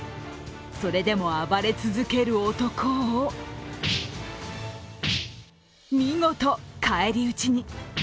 それでも暴れ続ける男を見事、返り討ちに。